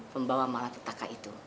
pembawa malapetaka itu